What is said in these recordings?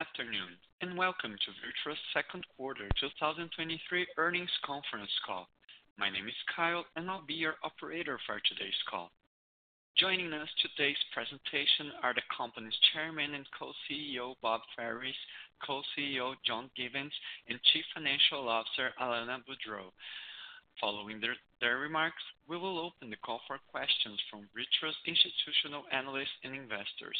Good afternoon. Welcome to VirTra's Second Quarter 2023 Earnings Conference Call. My name is Kyle. I'll be your operator for today's call. Joining us today's presentation are the company's Chairman and Co-CEO, Bob Ferris, Co-CEO, John Givens, and Chief Financial Officer, Alanna Boudreau. Following their remarks, we will open the call for questions from VirTra's institutional analysts and investors.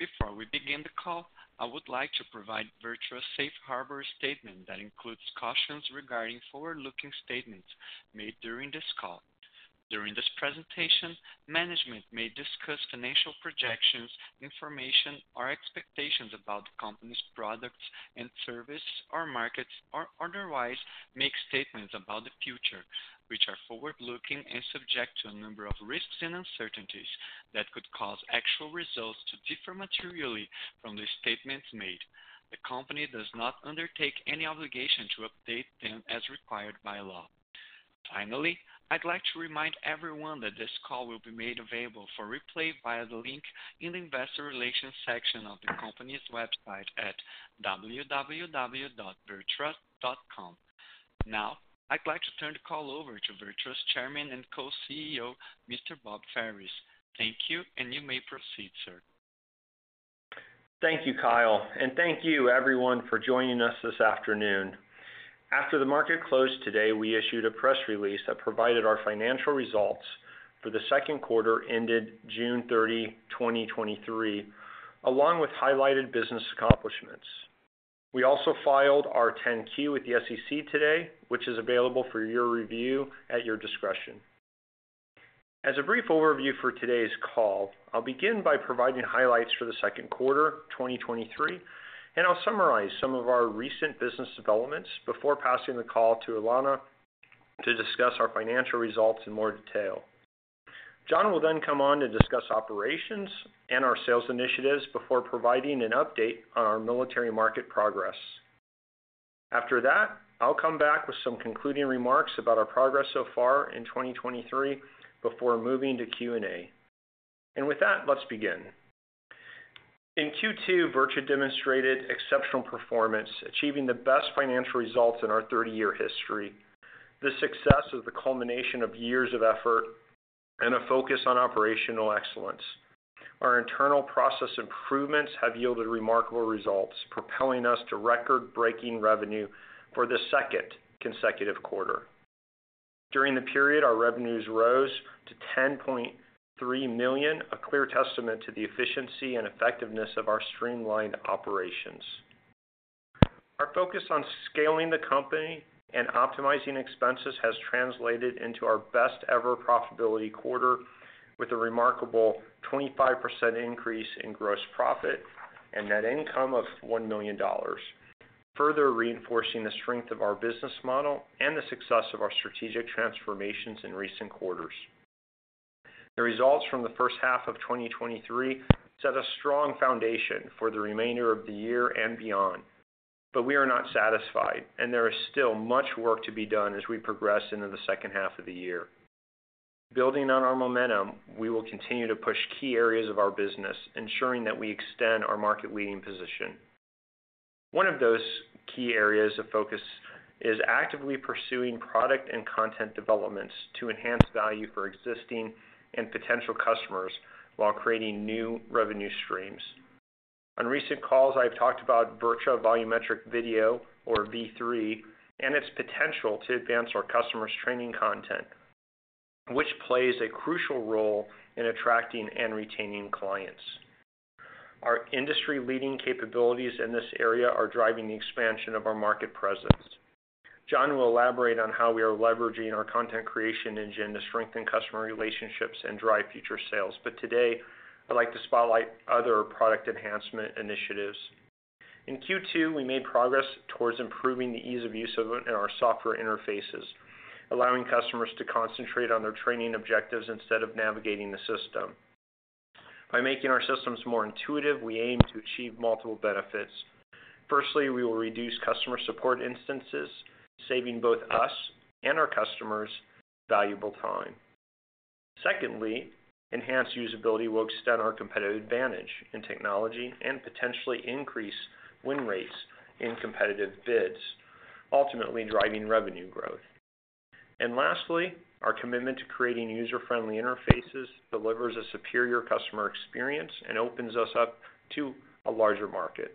Before we begin the call, I would like to provide VirTra's safe harbor statement that includes cautions regarding forward-looking statements made during this call. During this presentation, management may discuss financial projections, information, or expectations about the company's products and services or markets, or otherwise make statements about the future, which are forward-looking and subject to a number of risks and uncertainties that could cause actual results to differ materially from the statements made. The company does not undertake any obligation to update them as required by law. Finally, I'd like to remind everyone that this call will be made available for replay via the link in the Investor Relations section of the company's website at www.VirTra.com. Now, I'd like to turn the call over to VirTra's Chairman and Co-CEO, Mr. Bob Ferris. Thank you, and you may proceed, sir. Thank you, Kyle, thank you everyone for joining us this afternoon. After the market closed today, we issued a press release that provided our financial results for the second quarter ended June 30, 2023, along with highlighted business accomplishments. We also filed our Form 10-Q with the SEC today, which is available for your review at your discretion. As a brief overview for today's call, I'll begin by providing highlights for the second quarter, 2023, and I'll summarize some of our recent business developments before passing the call to Alanna to discuss our financial results in more detail. John will come on to discuss operations and our sales initiatives before providing an update on our military market progress. After that, I'll come back with some concluding remarks about our progress so far in 2023 before moving to Q&A. With that, let's begin. In Q2, VirTra demonstrated exceptional performance, achieving the best financial results in our 30-year history. This success is the culmination of years of effort and a focus on operational excellence. Our internal process improvements have yielded remarkable results, propelling us to record-breaking revenue for the second consecutive quarter. During the period, our revenues rose to $10.3 million, a clear testament to the efficiency and effectiveness of our streamlined operations. Our focus on scaling the company and optimizing expenses has translated into our best-ever profitability quarter, with a remarkable 25% increase in gross profit and net income of $1 million, further reinforcing the strength of our business model and the success of our strategic transformations in recent quarters. The results from the first half of 2023 set a strong foundation for the remainder of the year and beyond. We are not satisfied, and there is still much work to be done as we progress into the second half of the year. Building on our momentum, we will continue to push key areas of our business, ensuring that we extend our market-leading position. One of those key areas of focus is actively pursuing product and content developments to enhance value for existing and potential customers while creating new revenue streams. On recent calls, I've talked about VirTra Volumetric Video, or V3, and its potential to advance our customers' training content, which plays a crucial role in attracting and retaining clients. Our industry-leading capabilities in this area are driving the expansion of our market presence. John will elaborate on how we are leveraging our content creation engine to strengthen customer relationships and drive future sales. Today, I'd like to spotlight other product enhancement initiatives. In Q2, we made progress towards improving the ease of use of our software interfaces, allowing customers to concentrate on their training objectives instead of navigating the system. By making our systems more intuitive, we aim to achieve multiple benefits. Firstly, we will reduce customer support instances, saving both us and our customers valuable time. Secondly, enhanced usability will extend our competitive advantage in technology and potentially increase win rates in competitive bids, ultimately driving revenue growth. Lastly, our commitment to creating user-friendly interfaces delivers a superior customer experience and opens us up to a larger market.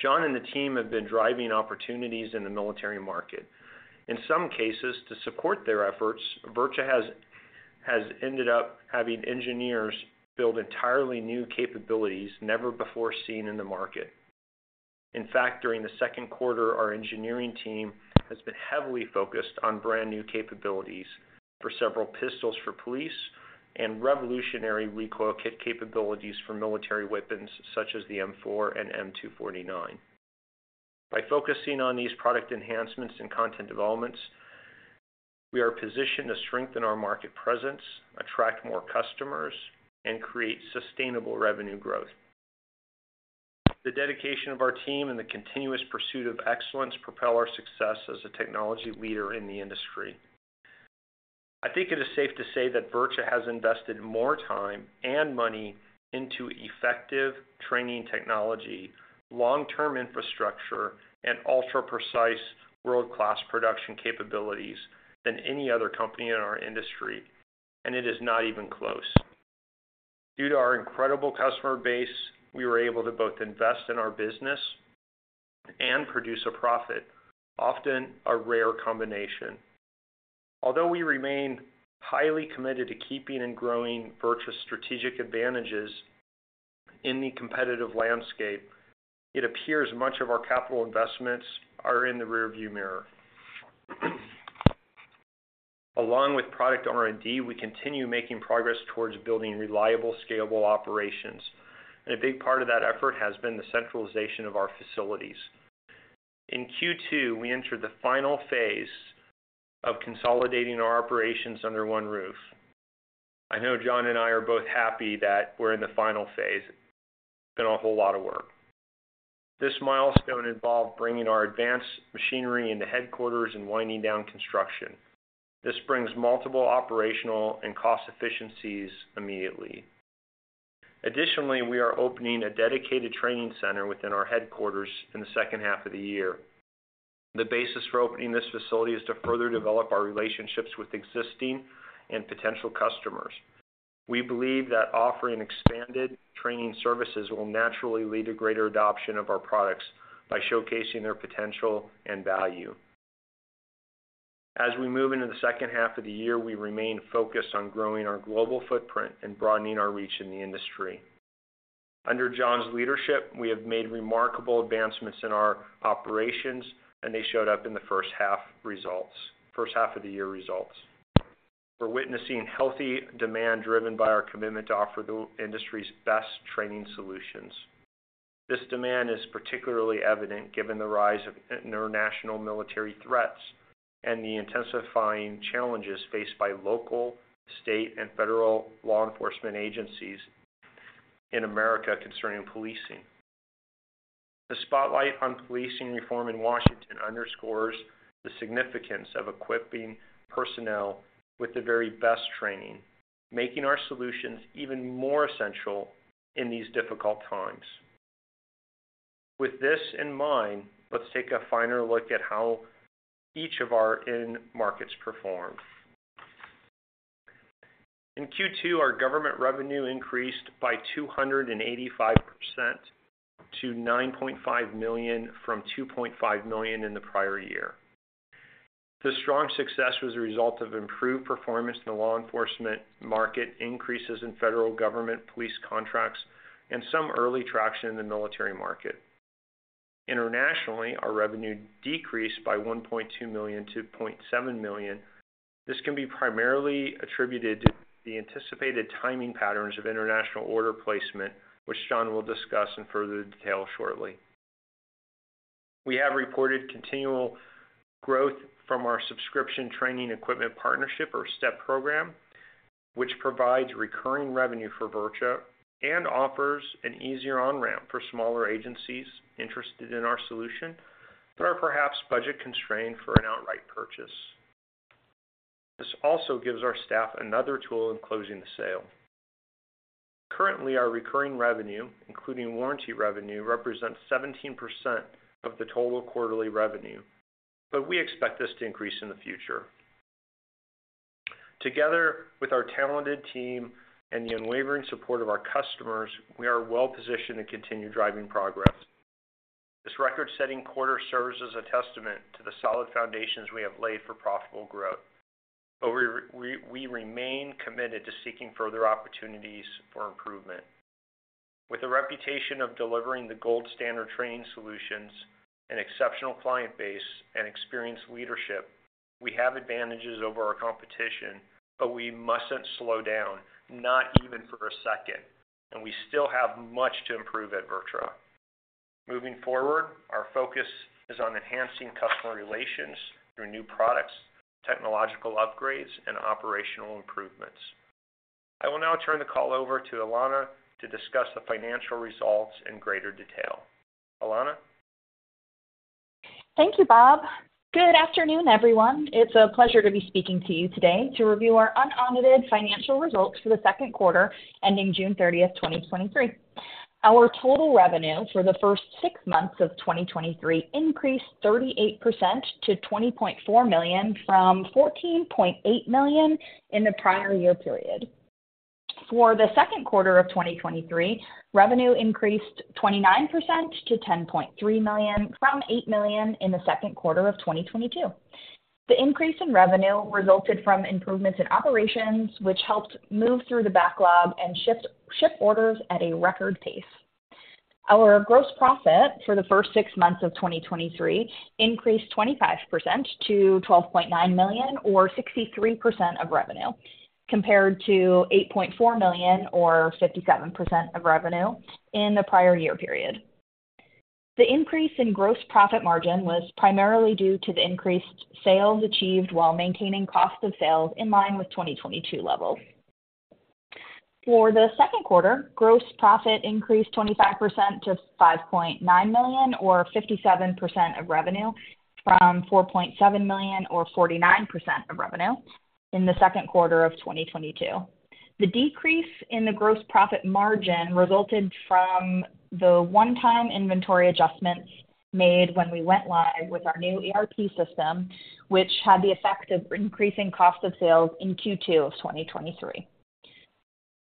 John and the team have been driving opportunities in the military market. In some cases, to support their efforts, VirTra has ended up having engineers build entirely new capabilities never before seen in the market. In fact, during the second quarter, our engineering team has been heavily focused on brand-new capabilities for several pistols for police and revolutionary recoil kit capabilities for military weapons such as the M4 and M249. By focusing on these product enhancements and content developments, we are positioned to strengthen our market presence, attract more customers, and create sustainable revenue growth. The dedication of our team and the continuous pursuit of excellence propel our success as a technology leader in the industry. I think it is safe to say that VirTra has invested more time and money into effective training technology, long-term infrastructure, and ultra-precise world-class production capabilities than any other company in our industry, and it is not even close. Due to our incredible customer base, we were able to both invest in our business and produce a profit, often a rare combination. Although we remain highly committed to keeping and growing VirTra's strategic advantages in the competitive landscape, it appears much of our capital investments are in the rearview mirror. Along with product R&D, we continue making progress towards building reliable, scalable operations, and a big part of that effort has been the centralization of our facilities. In Q2, we entered the final phase of consolidating our operations under one roof. I know John and I are both happy that we're in the final phase. It's been an awful lot of work. This milestone involved bringing our advanced machinery into headquarters and winding down construction. This brings multiple operational and cost efficiencies immediately. Additionally, we are opening a dedicated training center within our headquarters in the second half of the year. The basis for opening this facility is to further develop our relationships with existing and potential customers. We believe that offering expanded training services will naturally lead to greater adoption of our products by showcasing their potential and value. As we move into the second half of the year, we remain focused on growing our global footprint and broadening our reach in the industry. Under John's leadership, we have made remarkable advancements in our operations, and they showed up in the first half results-- first half of the year results. We're witnessing healthy demand, driven by our commitment to offer the industry's best training solutions. This demand is particularly evident given the rise of international military threats and the intensifying challenges faced by local, state, and federal law enforcement agencies in America concerning policing. The spotlight on policing reform in Washington underscores the significance of equipping personnel with the very best training, making our solutions even more essential in these difficult times. With this in mind, let's take a finer look at how each of our end markets performed. In Q2, our government revenue increased by 285% to $9.5 million, from $2.5 million in the prior year. This strong success was a result of improved performance in the law enforcement market, increases in federal government police contracts, and some early traction in the military market. Internationally, our revenue decreased by $1.2 million-$0.7 million. This can be primarily attributed to the anticipated timing patterns of international order placement, which John will discuss in further detail shortly. We have reported continual growth from our Subscription Training Equipment Partnership or STEP program, which provides recurring revenue for VirTra and offers an easier on-ramp for smaller agencies interested in our solution, but are perhaps budget-constrained for an outright purchase. This also gives our staff another tool in closing the sale. Currently, our recurring revenue, including warranty revenue, represents 17% of the total quarterly revenue. We expect this to increase in the future. Together with our talented team and the unwavering support of our customers, we are well positioned to continue driving progress. This record-setting quarter serves as a testament to the solid foundations we have laid for profitable growth. We remain committed to seeking further opportunities for improvement. With a reputation of delivering the gold standard training solutions, an exceptional client base, and experienced leadership, we have advantages over our competition. We mustn't slow down, not even for a second, and we still have much to improve at VirTra. Moving forward, our focus is on enhancing customer relations through new products, technological upgrades, and operational improvements. I will now turn the call over to Alanna to discuss the financial results in greater detail. Alanna? Thank you, Bob. Good afternoon, everyone. It's a pleasure to be speaking to you today to review our unaudited financial results for the second quarter, ending June 30th, 2023. Our total revenue for the first six months of 2023 increased 38% to $20.4 million, from $14.8 million in the prior year period. For the second quarter of 2023, revenue increased 29% to $10.3 million, from $8 million in the second quarter of 2022. The increase in revenue resulted from improvements in operations, which helped move through the backlog and ship orders at a record pace. Our gross profit for the first six months of 2023 increased 25% to $12.9 million, or 63% of revenue, compared to $8.4 million, or 57% of revenue in the prior year period. The increase in gross profit margin was primarily due to the increased sales achieved while maintaining cost of sales in line with 2022 levels. For the second quarter, gross profit increased 25% to $5.9 million, or 57% of revenue, from $4.7 million, or 49% of revenue, in the second quarter of 2022. The decrease in the gross profit margin resulted from the one-time inventory adjustments made when we went live with our new ERP system, which had the effect of increasing cost of sales in Q2 of 2023.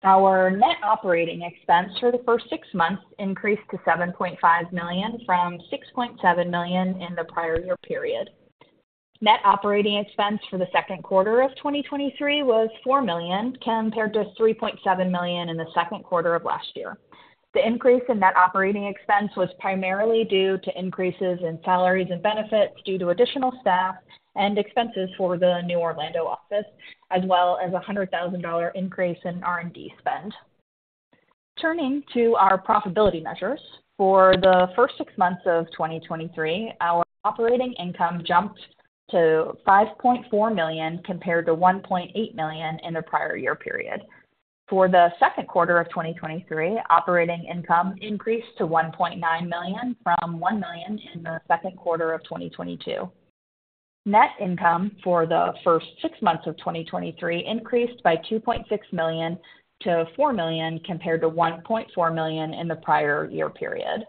Our net operating expense for the first six months increased to $7.5 million from $6.7 million in the prior year period. Net operating expense for the second quarter of 2023 was $4 million, compared to $3.7 million in the second quarter of last year. The increase in net operating expense was primarily due to increases in salaries and benefits due to additional staff and expenses for the new Orlando office, as well as a $100,000 increase in R&D spend. Turning to our profitability measures. For the first six months of 2023, our operating income jumped to $5.4 million, compared to $1.8 million in the prior year period. For the second quarter of 2023, operating income increased to $1.9 million from $1 million in the second quarter of 2022. Net income for the first six months of 2023 increased by $2.6 million to $4 million, compared to $1.4 million in the prior year period.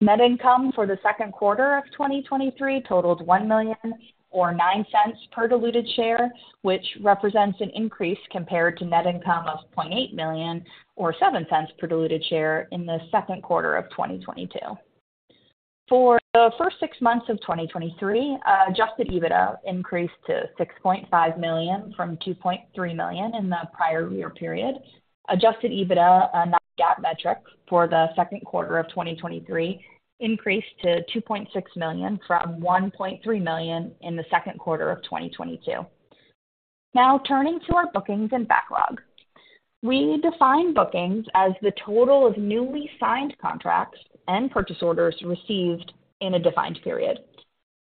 Net income for the second quarter of 2023 totaled $1 million, or $0.09 per diluted share, which represents an increase compared to net income of $0.8 million, or $0.07 per diluted share in the second quarter of 2022. For the first six months of 2023, adjusted EBITDA increased to $6.5 million from $2.3 million in the prior year period. Adjusted EBITDA, a non-GAAP metric for the second quarter of 2023, increased to $2.6 million from $1.3 million in the second quarter of 2022. Turning to our bookings and backlog. We define bookings as the total of newly signed contracts and purchase orders received in a defined period.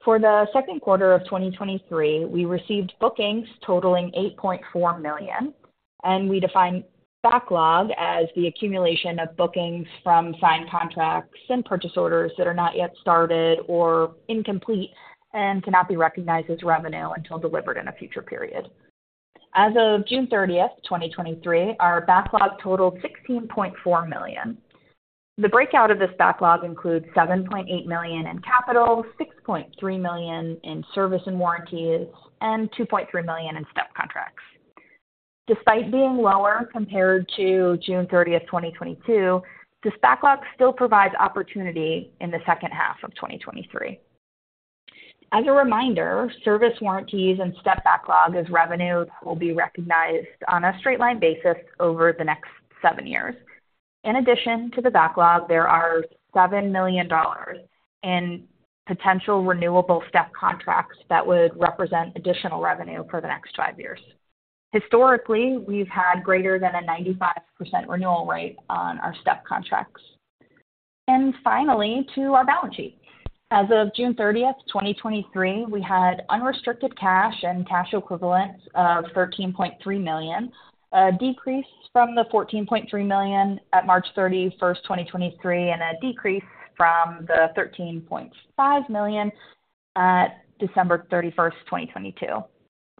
For the second quarter of 2023, we received bookings totaling $8.4 million. We define backlog as the accumulation of bookings from signed contracts and purchase orders that are not yet started or incomplete, and cannot be recognized as revenue until delivered in a future period. As of June 30th, 2023, our backlog totaled $16.4 million. The breakout of this backlog includes $7.8 million in capital, $6.3 million in service and warranties, and $2.3 million in STEP contracts. Despite being lower compared to June 30th, 2022, this backlog still provides opportunity in the second half of 2023. As a reminder, service warranties and STEP backlog as revenue will be recognized on a straight line basis over the next seven years. In addition to the backlog, there are $7 million in potential renewable STEP contracts that would represent additional revenue for the next five years. Historically, we've had greater than a 95% renewal rate on our STEP contracts. Finally, to our balance sheet. As of June 30, 2023, we had unrestricted cash and cash equivalents of $13.3 million, a decrease from the $14.3 million at March 31, 2023, and a decrease from the $13.5 million at December 31, 2022.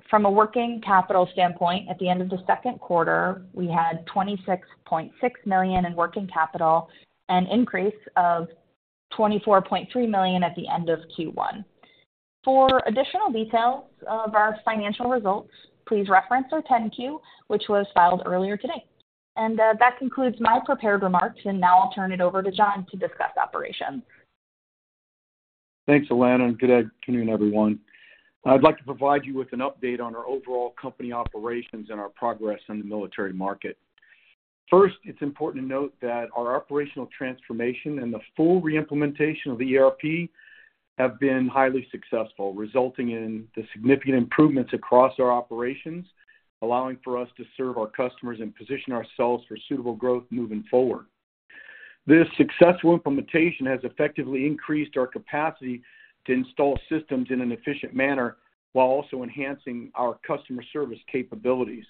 From a working capital standpoint, at the end of the second quarter, we had $26.6 million in working capital, an increase of $24.3 million at the end of Q1. For additional details of our financial results, please reference our Form 10-Q, which was filed earlier today. That concludes my prepared remarks, and now I'll turn it over to John to discuss operations. Thanks, Alanna, and good afternoon, everyone. I'd like to provide you with an update on our overall company operations and our progress in the military market. First, it's important to note that our operational transformation and the full re-implementation of ERP have been highly successful, resulting in the significant improvements across our operations, allowing for us to serve our customers and position ourselves for suitable growth moving forward. This successful implementation has effectively increased our capacity to install systems in an efficient manner, while also enhancing our customer service capabilities.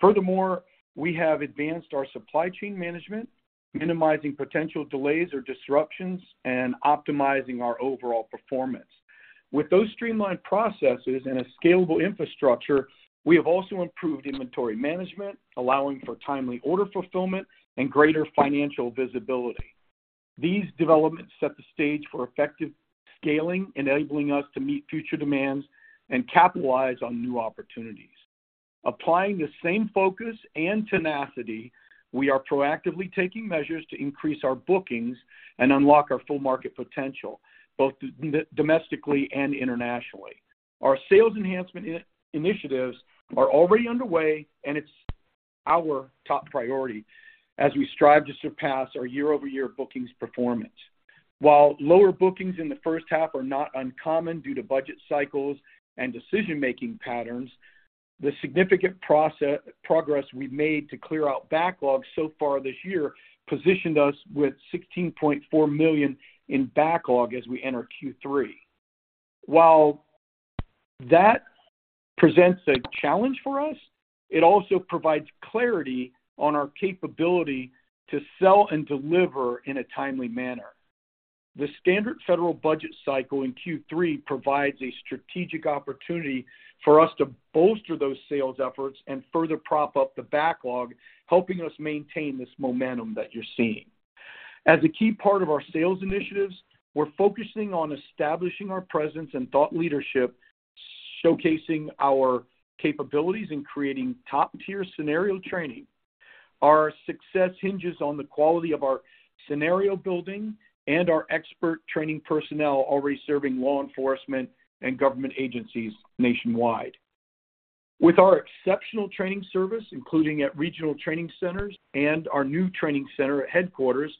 Furthermore, we have advanced our supply chain management, minimizing potential delays or disruptions, and optimizing our overall performance. With those streamlined processes and a scalable infrastructure, we have also improved inventory management, allowing for timely order fulfillment and greater financial visibility. These developments set the stage for effective scaling, enabling us to meet future demands and capitalize on new opportunities. Applying the same focus and tenacity, we are proactively taking measures to increase our bookings and unlock our full market potential, both domestically and internationally. Our sales enhancement initiatives are already underway, and it's our top priority as we strive to surpass our year-over-year bookings performance. While lower bookings in the first half are not uncommon due to budget cycles and decision-making patterns, the significant progress we've made to clear out backlogs so far this year positioned us with $16.4 million in backlog as we enter Q3. While that presents a challenge for us. It also provides clarity on our capability to sell and deliver in a timely manner. The standard federal budget cycle in Q3 provides a strategic opportunity for us to bolster those sales efforts and further prop up the backlog, helping us maintain this momentum that you're seeing. As a key part of our sales initiatives, we're focusing on establishing our presence and thought leadership, showcasing our capabilities in creating top-tier scenario training. Our success hinges on the quality of our scenario building and our expert training personnel already serving law enforcement and government agencies nationwide. With our exceptional training service, including at regional training centers and our new training center at headquarters,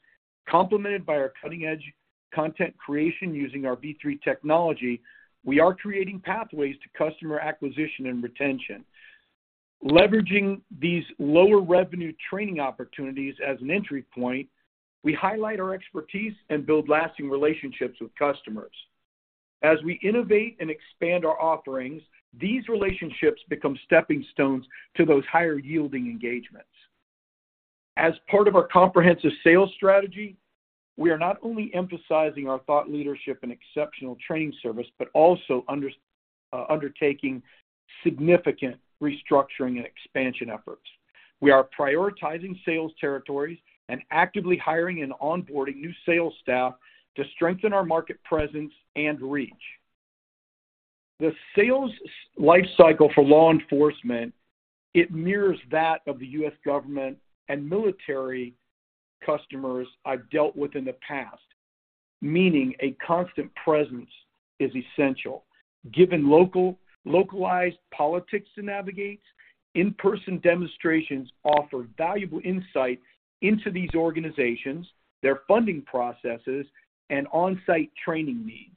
complemented by our cutting-edge content creation using our V3 technology, we are creating pathways to customer acquisition and retention. Leveraging these lower revenue training opportunities as an entry point, we highlight our expertise and build lasting relationships with customers. As we innovate and expand our offerings, these relationships become stepping stones to those higher-yielding engagements. As part of our comprehensive sales strategy, we are not only emphasizing our thought leadership and exceptional training service, but also undertaking significant restructuring and expansion efforts. We are prioritizing sales territories and actively hiring and onboarding new sales staff to strengthen our market presence and reach. The sales lifecycle for law enforcement, it mirrors that of the U.S. government and military customers I've dealt with in the past, meaning a constant presence is essential. Given localized politics to navigate, in-person demonstrations offer valuable insight into these organizations, their funding processes, and on-site training needs.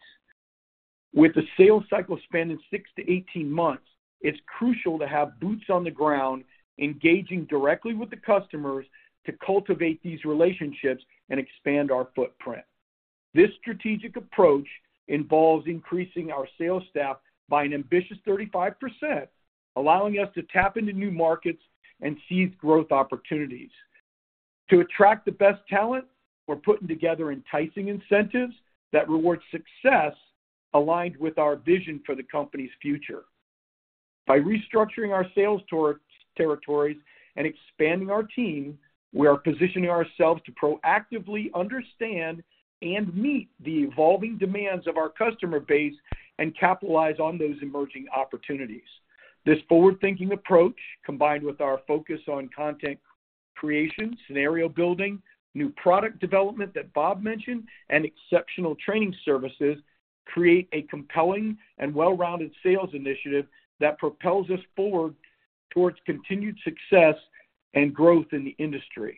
With a sales cycle spanning six months-18 months, it's crucial to have boots on the ground, engaging directly with the customers to cultivate these relationships and expand our footprint. This strategic approach involves increasing our sales staff by an ambitious 35%, allowing us to tap into new markets and seize growth opportunities. To attract the best talent, we're putting together enticing incentives that reward success aligned with our vision for the company's future. By restructuring our sales territories and expanding our team, we are positioning ourselves to proactively understand and meet the evolving demands of our customer base and capitalize on those emerging opportunities. This forward-thinking approach, combined with our focus on content creation, scenario building, new product development that Bob mentioned, and exceptional training services, create a compelling and well-rounded sales initiative that propels us forward towards continued success and growth in the industry.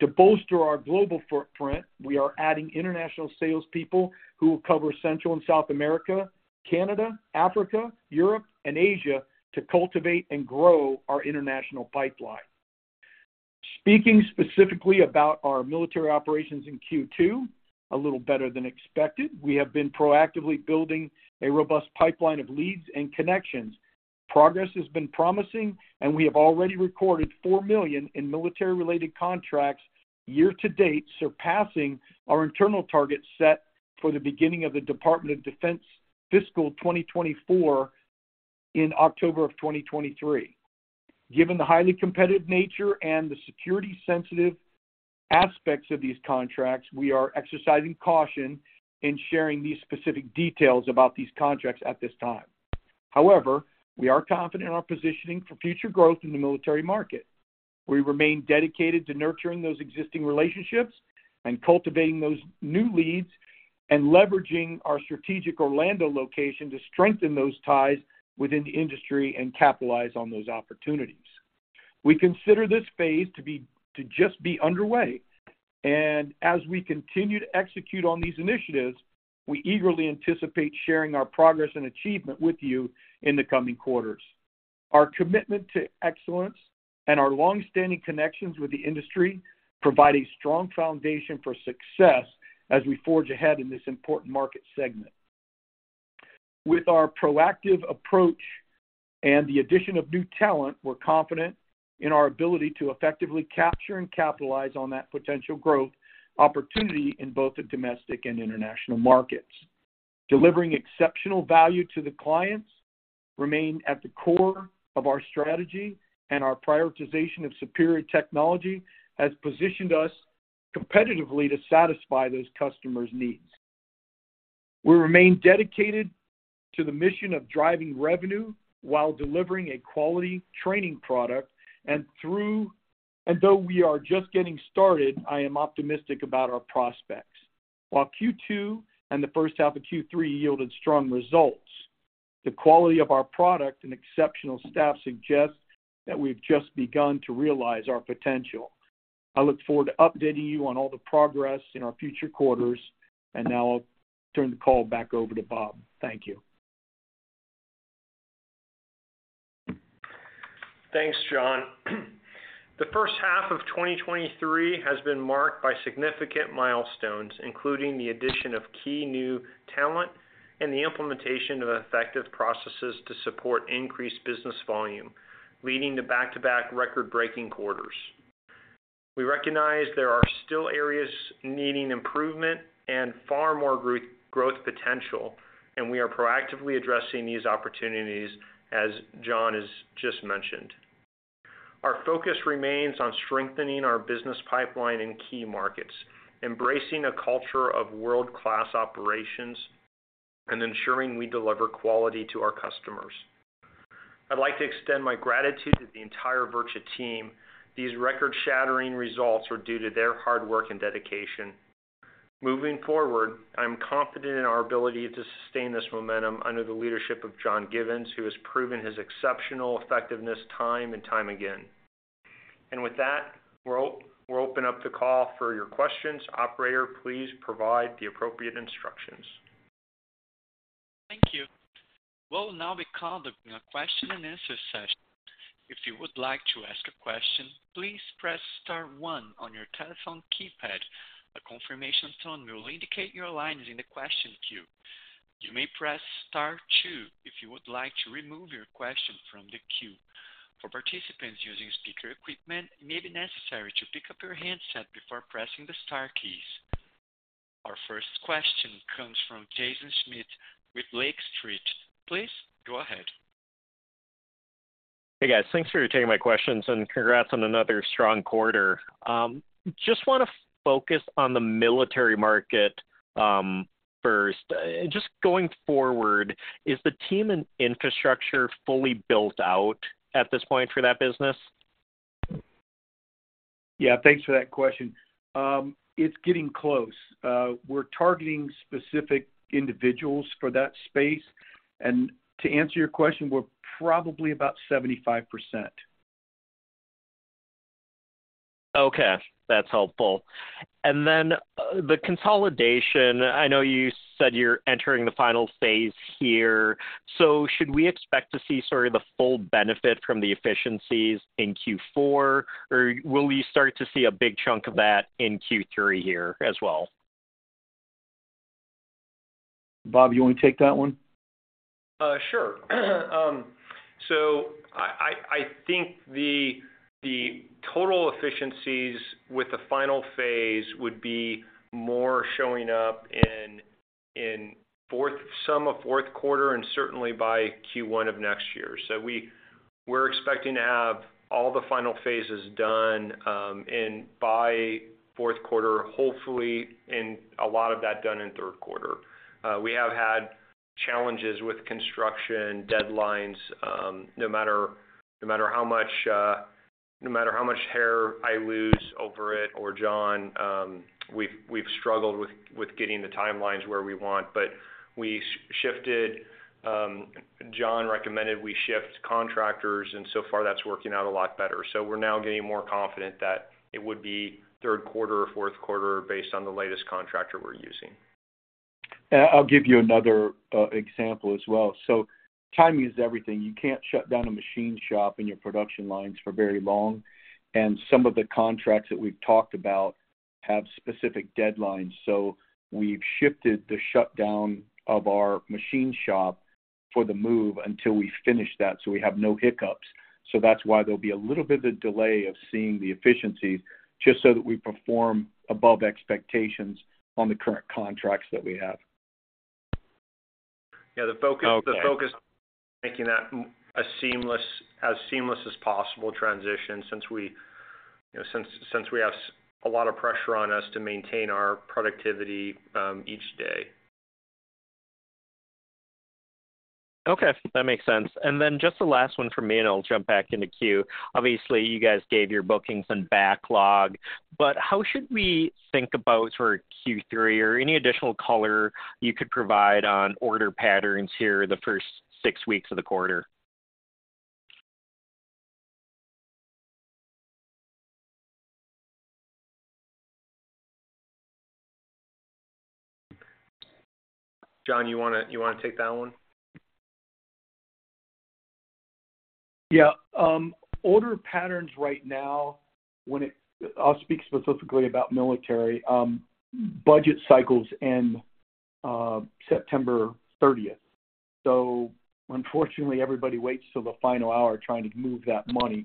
To bolster our global footprint, we are adding international salespeople who will cover Central and South America, Canada, Africa, Europe, and Asia to cultivate and grow our international pipeline. Speaking specifically about our military operations in Q2, a little better than expected, we have been proactively building a robust pipeline of leads and connections. Progress has been promising, we have already recorded $4 million in military-related contracts year to date, surpassing our internal target set for the beginning of the Department of Defense Fiscal 2024 in October of 2023. Given the highly competitive nature and the security-sensitive aspects of these contracts, we are exercising caution in sharing these specific details about these contracts at this time. However, we are confident in our positioning for future growth in the military market. We remain dedicated to nurturing those existing relationships and cultivating those new leads, and leveraging our strategic Orlando location to strengthen those ties within the industry and capitalize on those opportunities. We consider this phase to be, to just be underway, and as we continue to execute on these initiatives, we eagerly anticipate sharing our progress and achievement with you in the coming quarters. Our commitment to excellence and our long-standing connections with the industry provide a strong foundation for success as we forge ahead in this important market segment. With our proactive approach and the addition of new talent, we're confident in our ability to effectively capture and capitalize on that potential growth opportunity in both the domestic and international markets. Delivering exceptional value to the clients remains at the core of our strategy, and our prioritization of superior technology has positioned us competitively to satisfy those customers' needs. We remain dedicated to the mission of driving revenue while delivering a quality training product, and though we are just getting started, I am optimistic about our prospects. While Q2 and the first half of Q3 yielded strong results, the quality of our product and exceptional staff suggests that we've just begun to realize our potential. I look forward to updating you on all the progress in our future quarters, and now I'll turn the call back over to Bob. Thank you. Thanks, John. The first half of 2023 has been marked by significant milestones, including the addition of key new talent and the implementation of effective processes to support increased business volume, leading to back-to-back record-breaking quarters. We recognize there are still areas needing improvement and far more growth potential, and we are proactively addressing these opportunities, as John has just mentioned. Our focus remains on strengthening our business pipeline in key markets, embracing a culture of world-class operations, and ensuring we deliver quality to our customers. I'd like to extend my gratitude to the entire VirTra team. These record-shattering results are due to their hard work and dedication. Moving forward, I'm confident in our ability to sustain this momentum under the leadership of John Givens, who has proven his exceptional effectiveness time and time again. With that, we're open up the call for your questions. Operator, please provide the appropriate instructions. Thank you. We'll now be conducting a question and answer session. If you would like to ask a question, please press star one on your telephone keypad. A confirmation tone will indicate your line is in the question queue. You may press star two if you would like to remove your question from the queue. For participants using speaker equipment, it may be necessary to pick up your handset before pressing the star keys. Our first question comes from Jaeson Schmidt with Lake Street. Please go ahead. Hey, guys. Thanks for taking my questions, and congrats on another strong quarter. Just want to focus on the military market, first. Just going forward, is the team and infrastructure fully built out at this point for that business? Yeah, thanks for that question. It's getting close. We're targeting specific individuals for that space. To answer your question, we're probably about 75%. Okay, that's helpful. Then, the consolidation, I know you said you're entering the final phase here. Should we expect to see sort of the full benefit from the efficiencies in Q4, or will we start to see a big chunk of that in Q3 here as well? Bob, you want to take that one? Sure. I, I, I think the, the total efficiencies with the final phase would be more showing up in, in fourth, some of fourth quarter and certainly by Q1 of next year. We're expecting to have all the final phases done, in by fourth quarter, hopefully, and a lot of that done in third quarter. We have had challenges with construction deadlines, no matter, no matter how much, no matter how much hair I lose over it or John, we've struggled with, with getting the timelines where we want. We shifted, John recommended we shift contractors, and so far, that's working out a lot better. We're now getting more confident that it would be third quarter or fourth quarter based on the latest contractor we're using. I'll give you another example as well. Time is everything. You can't shut down a machine shop and your production lines for very long, and some of the contracts that we've talked about have specific deadlines. We've shifted the shutdown of our machine shop for the move until we finish that, so we have no hiccups. That's why there'll be a little bit of a delay of seeing the efficiencies, just so that we perform above expectations on the current contracts that we have. Yeah, the focus- Okay. The focus is making that a seamless, as seamless as possible transition since we, you know, since we have a lot of pressure on us to maintain our productivity, each day. Okay, that makes sense. Then just the last one for me, and I'll jump back in the queue. Obviously, you guys gave your bookings and backlog, but how should we think about for Q3 or any additional color you could provide on order patterns here the first six weeks of the quarter? John, you want to, you want to take that one? Yeah. Order patterns right now, when it... I'll speak specifically about military. Budget cycles end September 30th. Unfortunately, everybody waits till the final hour trying to move that money.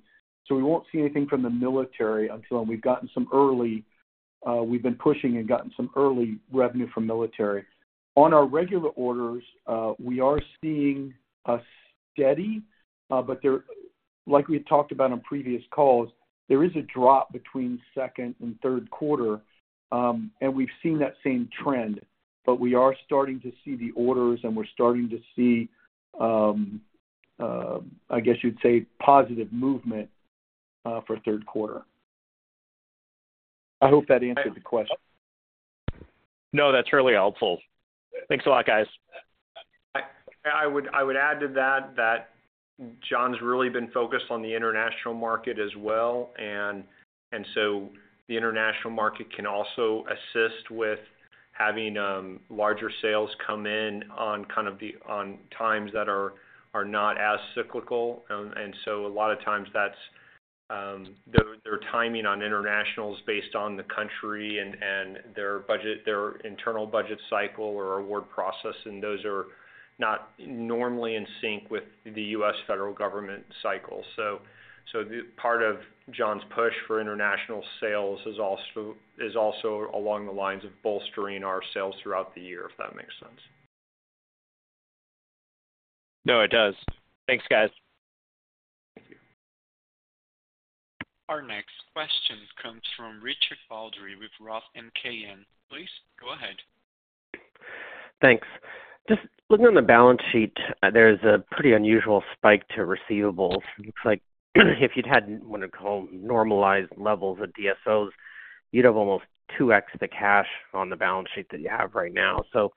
We won't see anything from the military until... We've gotten some early, we've been pushing and gotten some early revenue from military. On our regular orders, we are seeing a steady, there- like we talked about on previous calls, there is a drop between Q2 and Q3, and we've seen that same trend. We are starting to see the orders, and we're starting to see, I guess you'd say, positive movement, for Q3. I hope that answered the question. No, that's really helpful. Thanks a lot, guys. I, I would, I would add to that, that John's really been focused on the international market as well. The international market can also assist with having larger sales come in on kind of the, on times that are not as cyclical. A lot of times, that's their, their timing on internationals based on the country and, and their budget, their internal budget cycle or award process, and those are not normally in sync with the U.S. federal government cycle. The part of John's push for international sales is also, is also along the lines of bolstering our sales throughout the year, if that makes sense. No, it does. Thanks, guys. Thank you. Our next question comes from Richard Baldry with Roth MKM. Please go ahead. Thanks. Just looking on the balance sheet, there's a pretty unusual spike to receivables. Looks like, if you'd had, what I'd call, normalized levels of DSOs, you'd have almost 2x the cash on the balance sheet that you have right now. I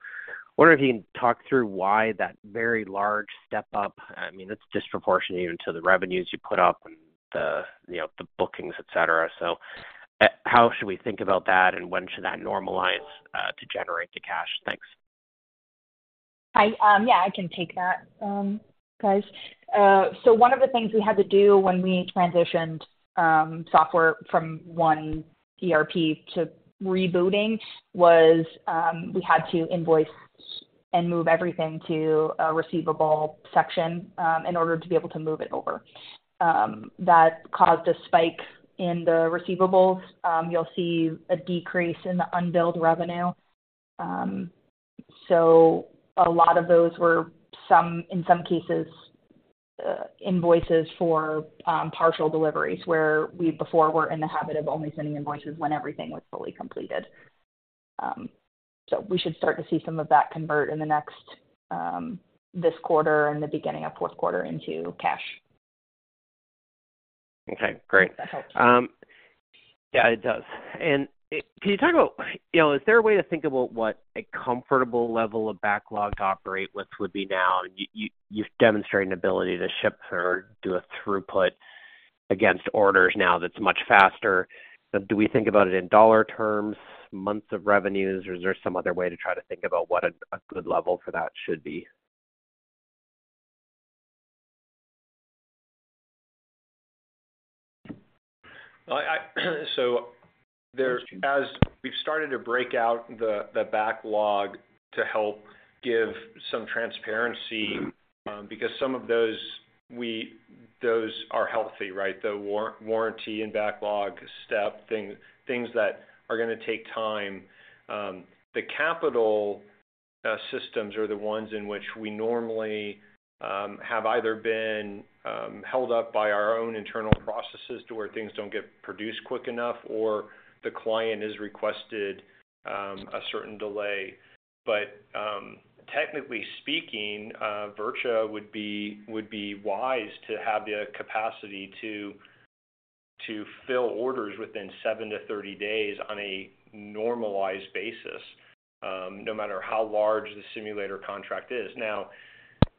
wonder if you can talk through why that very large step up, I mean, it's disproportionate even to the revenues you put up and the, you know, the bookings, et cetera. How should we think about that, and when should that normalize to generate the cash? Thanks. I, yeah, I can take that, guys. One of the things we had to do when we transitioned software from one ERP to rebooting was, we had to invoice and move everything to a receivable section in order to be able to move it over. That caused a spike in the receivables. You'll see a decrease in the unbilled revenue. A lot of those were some, in some cases, invoices for partial deliveries, where we before were in the habit of only sending invoices when everything was fully completed. We should start to see some of that convert in the next this quarter and the beginning of fourth quarter into cash. Okay, great. If that helps. Yeah, it does. Can you talk about, you know, is there a way to think about what a comfortable level of backlog to operate with would be now? You've demonstrated an ability to ship or do a throughput against orders now that's much faster. Do we think about it in dollar terms, months of revenues, or is there some other way to try to think about what a good level for that should be? I, I, as we've started to break out the backlog to help give some transparency, because some of those, those are healthy, right? The warranty and backlog STEP, things, things that are gonna take time. The capital systems are the ones in which we normally have either been held up by our own internal processes to where things don't get produced quick enough, or the client has requested a certain delay. Technically speaking, VirTra would be wise to have the capacity to fill orders within seven to 30 days on a normalized basis, no matter how large the simulator contract is.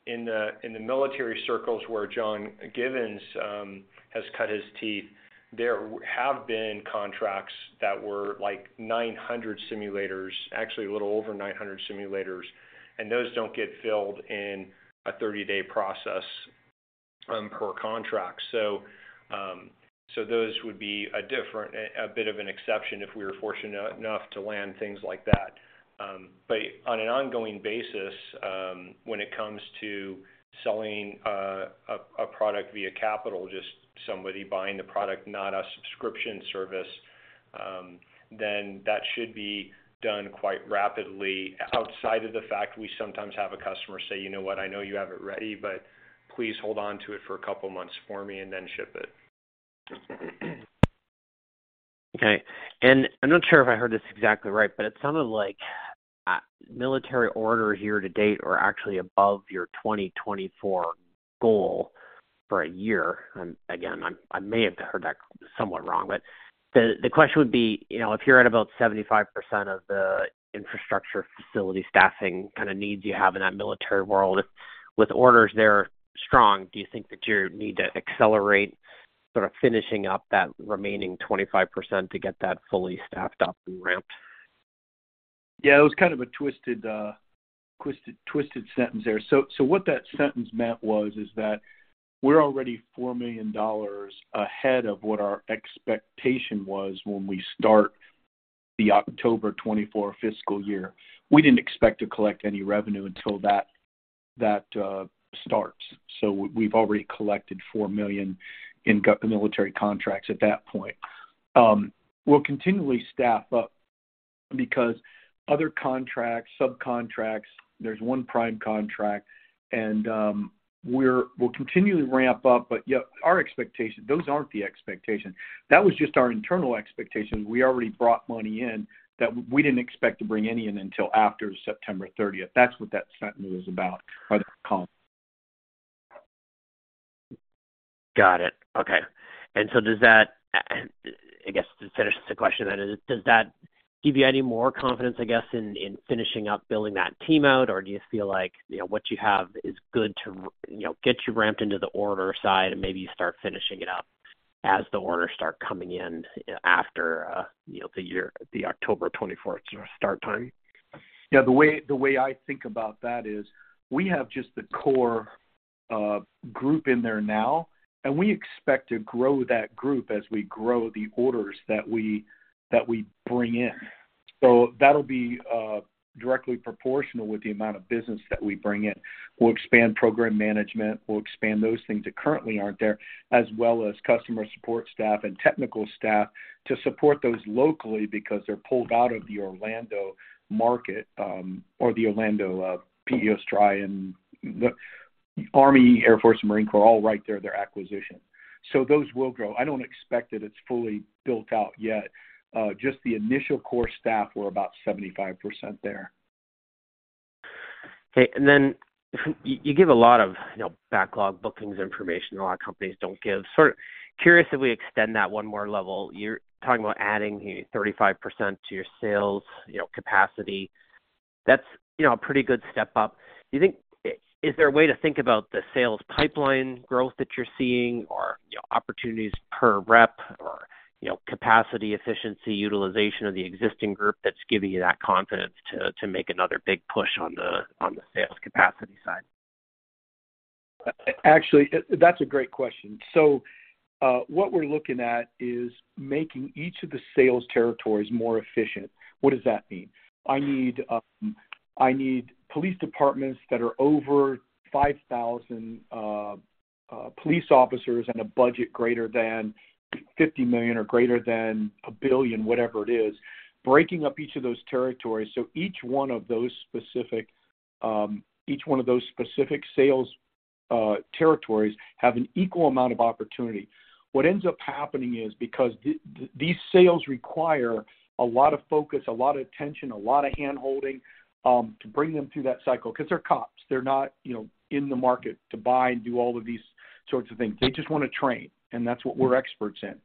In the, in the military circles where John Givens has cut his teeth, there have been contracts that were like 900 simulators, actually a little over 900 simulators, and those don't get filled in a 30-day process per contract. Those would be a different, a bit of an exception if we were fortunate enough to land things like that. On an ongoing basis, when it comes to selling a product via capital, just somebody buying the product, not a subscription service, then that should be done quite rapidly. Outside of the fact we sometimes have a customer say: You know what? I know you have it ready, but please hold on to it for a couple of months for me, and then ship it. Okay. I'm not sure if I heard this exactly right, but it sounded like military orders year to date are actually above your 2024 goal for a year. Again, I, I may have heard that somewhat wrong, but the question would be, you know, if you're at about 75% of the infrastructure facility staffing kind of needs you have in that military world, if with orders there strong, do you think that you need to accelerate sort of finishing up that remaining 25% to get that fully staffed up and ramped? Yeah, it was kind of a twisted, twisted, twisted sentence there. What that sentence meant was, is that we're already $4 million ahead of what our expectation was when we start the October 2024 fiscal year. We didn't expect to collect any revenue until that, that, starts. We've already collected $4 million in go- military contracts at that point. We'll continually staff up because other contracts, subcontracts, there's 1 prime contract, and we'll continually ramp up, but yet our expectations, those aren't the expectations. That was just our internal expectations. We already brought money in that we didn't expect to bring any in until after September 30th. That's what that sentence was about by the call. Got it. Okay. So does that, and I guess to finish the question then, is, does that give you any more confidence, I guess, in, in finishing up building that team out, or do you feel like, you know, what you have is good to you know, get you ramped into the order side, and maybe you start finishing it up? as the orders start coming in after, you know, the year, the October 24th start time? Yeah, the way, the way I think about that is we have just the core group in there now, and we expect to grow that group as we grow the orders that we, that we bring in. So that'll be directly proportional with the amount of business that we bring in. We'll expand program management, we'll expand those things that currently aren't there, as well as customer support staff and technical staff to support those locally because they're pulled out of the Orlando market, or the Orlando, PEO STRI and the Army, Air Force, Marine Corps, all right there, their acquisition. Those will grow. I don't expect that it's fully built out yet. Just the initial core staff were about 75% there. Okay, you give a lot of, you know, backlog bookings information a lot of companies don't give. Sort of curious if we extend that one more level. You're talking about adding 35% to your sales, you know, capacity. That's, you know, a pretty good step up. Is there a way to think about the sales pipeline growth that you're seeing, or, you know, opportunities per rep, or, you know, capacity, efficiency, utilization of the existing group that's giving you that confidence to, to make another big push on the, on the sales capacity side? Actually, that's a great question. What we're looking at is making each of the sales territories more efficient. What does that mean? I need, I need police departments that are over 5,000 police officers and a budget greater than $50 million or greater than $1 billion, whatever it is, breaking up each of those territories. Each one of those specific, each one of those specific sales territories have an equal amount of opportunity. What ends up happening is, because these sales require a lot of focus, a lot of attention, a lot of handholding to bring them through that cycle, because they're cops. They're not, you know, in the market to buy and do all of these sorts of things. They just want to train, and that's what we're experts in.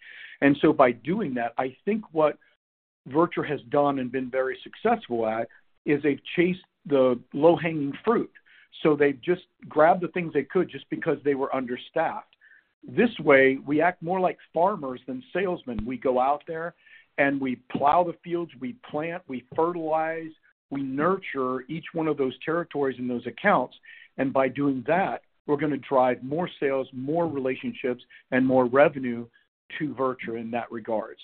By doing that, I think what VirTra has done and been very successful at is they've chased the low-hanging fruit. They've just grabbed the things they could just because they were understaffed. This way, we act more like farmers than salesmen. We go out there and we plow the fields, we plant, we fertilize, we nurture each one of those territories and those accounts, and by doing that, we're gonna drive more sales, more relationships, and more revenue to VirTra in that regards.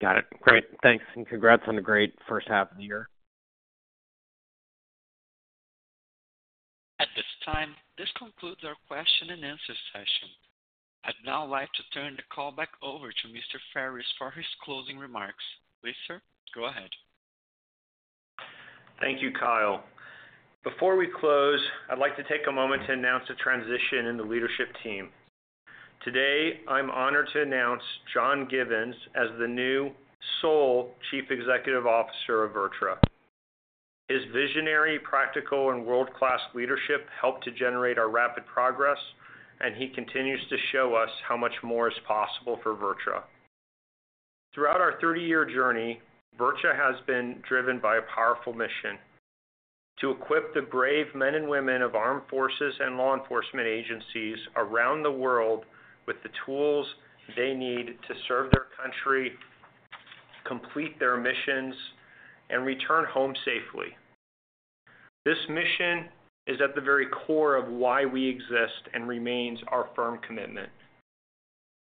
Got it. Great, thanks, and congrats on a great first half of the year. At this time, this concludes our question and answer session. I'd now like to turn the call back over to Mr. Ferris for his closing remarks. Please, sir, go ahead. Thank you, Kyle. Before we close, I'd like to take a moment to announce a transition in the leadership team. Today, I'm honored to announce John Givens as the new sole Chief Executive Officer of VirTra. His visionary, practical and world-class leadership helped to generate our rapid progress, and he continues to show us how much more is possible for VirTra. Throughout our 30-year journey, VirTra has been driven by a powerful mission: to equip the brave men and women of armed forces and law enforcement agencies around the world with the tools they need to serve their country, complete their missions, and return home safely. This mission is at the very core of why we exist and remains our firm commitment.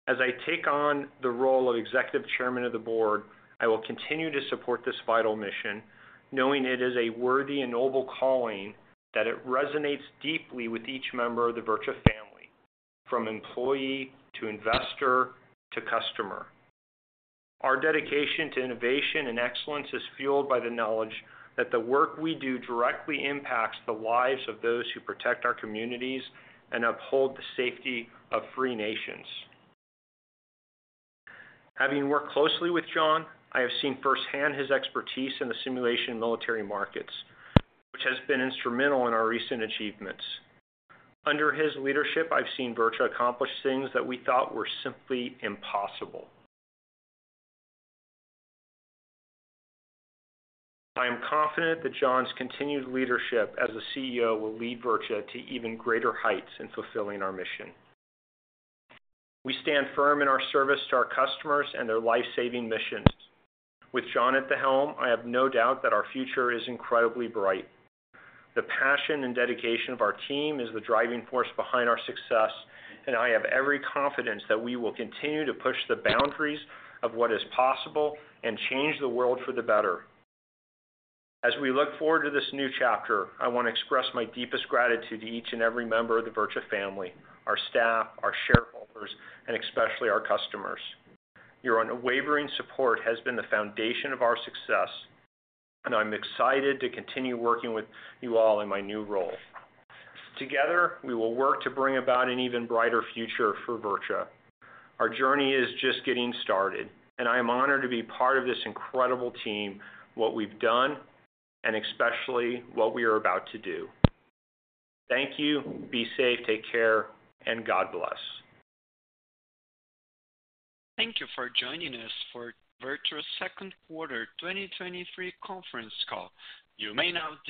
As I take on the role of Executive Chairman of the Board, I will continue to support this vital mission, knowing it is a worthy and noble calling, that it resonates deeply with each member of the VirTra family, from employee to investor to customer. Our dedication to innovation and excellence is fueled by the knowledge that the work we do directly impacts the lives of those who protect our communities and uphold the safety of free nations. Having worked closely with John, I have seen firsthand his expertise in the simulation military markets, which has been instrumental in our recent achievements. Under his leadership, I've seen VirTra accomplish things that we thought were simply impossible. I am confident that John's continued leadership as a CEO will lead VirTra to even greater heights in fulfilling our mission. We stand firm in our service to our customers and their life-saving missions. With John at the helm, I have no doubt that our future is incredibly bright. The passion and dedication of our team is the driving force behind our success, and I have every confidence that we will continue to push the boundaries of what is possible and change the world for the better. As we look forward to this new chapter, I want to express my deepest gratitude to each and every member of the VirTra family, our staff, our shareholders, and especially our customers. Your unwavering support has been the foundation of our success, and I'm excited to continue working with you all in my new role. Together, we will work to bring about an even brighter future for VirTra. Our journey is just getting started, and I am honored to be part of this incredible team, what we've done, and especially what we are about to do. Thank you. Be safe, take care, and God bless. Thank you for joining us for VirTra's Second Quarter 2023 Conference Call. You may now disconnect.